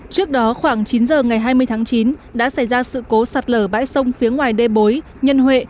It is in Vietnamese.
trước đó khoảng chín giờ ngày hai mươi tháng chín đã xảy ra sự cố sạt lở bãi sông phía ngoài đê bối nhân huệ